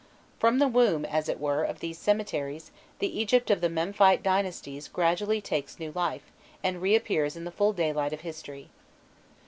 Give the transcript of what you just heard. From the womb, as it were, of these cemeteries, the Egypt of the Memphite dynasties gradually takes new life, and reappears in the full daylight of history.